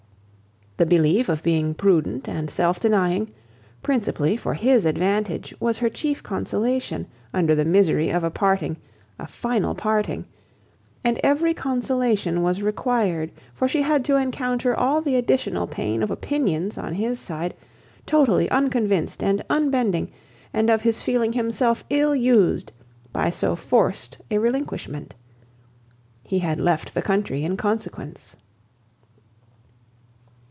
The belief of being prudent, and self denying, principally for his advantage, was her chief consolation, under the misery of a parting, a final parting; and every consolation was required, for she had to encounter all the additional pain of opinions, on his side, totally unconvinced and unbending, and of his feeling himself ill used by so forced a relinquishment. He had left the country in consequence.